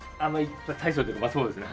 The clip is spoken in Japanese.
大将っていうかそうですね。